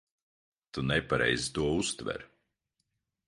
Tu nepareizi to uztver.